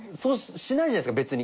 しないじゃないですか別に。